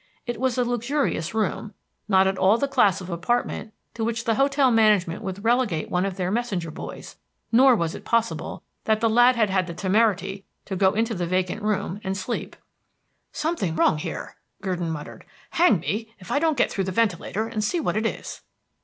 It was a luxurious room; not at all the class of apartment to which the hotel management would relegate one of their messenger boys, nor was it possible that the lad had had the temerity to go into the vacant room and sleep. "Something wrong here," Gurdon muttered. "Hang me if I don't get through the ventilator and see what it is."